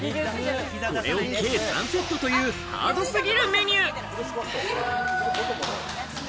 これを計３セットというハード過ぎるメニュー。